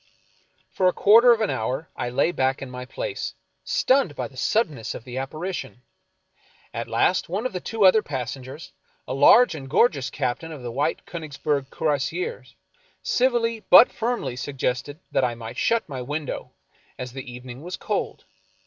For a quarter of an hour I lay back in my place, stunned by the suddenness of the apparition. At last one of the two other passengers, a large and gorgeous captain of the White Konigsberg Cuirassiers, civilly but firmly suggested that I might shut my window, as the evening was cold.